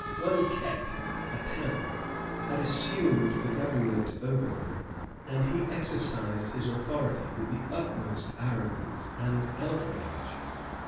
One Ket, a tanner, had assumed the government over them; and he exercised his authority with the utmost arrogance and outrage.